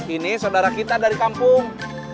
ini saudara kita dari kampung